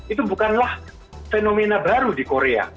itu bukanlah fenomena baru di korea